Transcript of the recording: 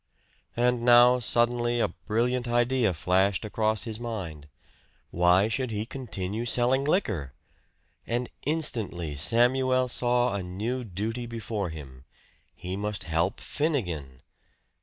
And now suddenly a brilliant idea flashed across his mind. Why should he continue selling liquor? And instantly Samuel saw a new duty before him. He must help Finnegan.